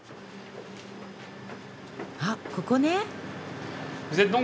あっここね？